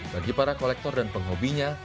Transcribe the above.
bagi para kolektor dan penghobinya